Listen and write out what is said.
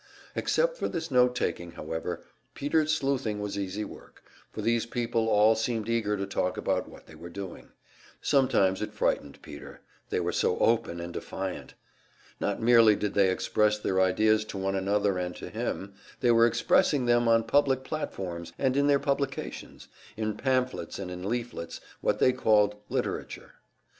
Except for this note taking, however, Peter's sleuthing was easy work, for these people all seemed eager to talk about what they were doing; sometimes it frightened Peter they were so open and defiant! Not merely did they express their ideas to one another and to him, they were expressing them on public platforms, and in their publications, in pamphlets and in leaflets what they called "literature."